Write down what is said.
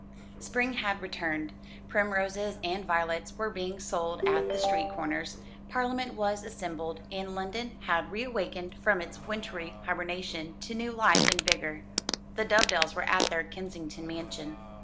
Spring had returned, primroses and violets were being sold at the street corners, Parliament was assembled, and London had reawakened from its wintry hibernation to new life and vigour. The Dovedales were at their Kensington mansion.